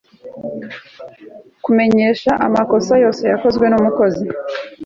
kumenyesha amakosa yose yakozwe n'umukozi